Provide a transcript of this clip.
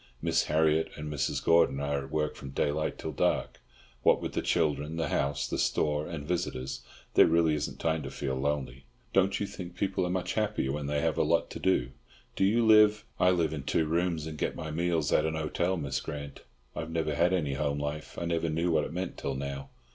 Miss Harriott and Mrs. Gordon are at work from daylight till dark; what with the children, the house, the store and visitors, there really isn't time to feel lonely. Don't you think people are much happier when they have a lot to do? Do you live—" "I live in two rooms and get my meals at an hotel, Miss Grant. I have never had any home life. I never knew what it meant till now."